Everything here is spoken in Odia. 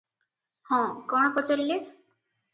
ହଁ-କଣ ପଚାରିଲେ?